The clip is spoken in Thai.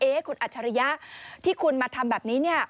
เอ๊ะคุณอัจฉริยะที่คุณมาทำแบบนี้